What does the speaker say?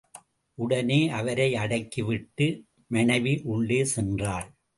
உடனே அவரை அடக்கிவிட்டு மனைவி உள்ளே சென்றாள்.